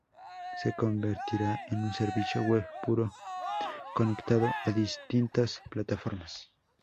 Se convertirá en un servicio web puro conectado a distintas plataformas.